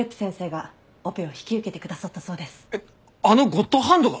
あのゴッドハンドが！？